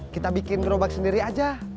kita bikin gerobak sendiri aja